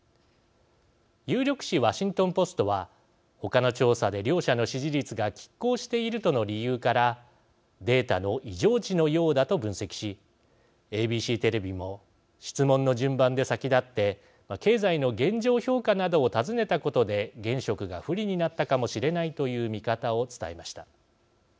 有力紙ワシントンポストは他の調査で両者の支持率がきっ抗しているとの理由からデータの異常値のようだと分析しＡＢＣテレビも質問の順番で先立って経済の現状評価などを尋ねたことで現職が不利になったかもしれないという見方を伝えました。